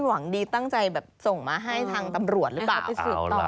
ห่วงดีตั้งใจส่งมาให้ทางตำรวจหรือเปล่า